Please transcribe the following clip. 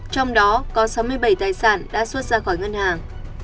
trong đó có sáu mươi bảy tài sản đã xuất ra khỏi ngân hàng